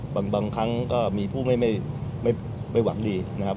บางครั้งก็มีผู้ไม่หวังดีนะครับ